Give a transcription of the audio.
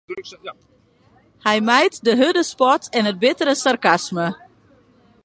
Hy mijt de hurde spot en it bittere sarkasme.